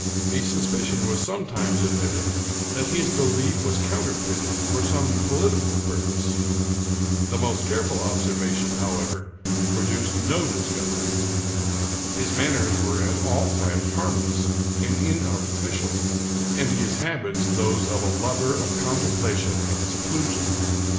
A sus picion was sometimes admitted that his belief was counter feited for some political purpose. The most careful ob 240 Charles Brockdcn Broivn servation, however, produced no discovery. His manners were at all times harmless and inartificial, and his habits those of a lover of contemplation and seclusion.